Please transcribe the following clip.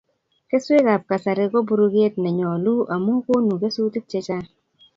Keswekab kasari ko buruket nenyoulu amu konu kesutik chechang